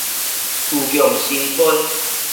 自強新村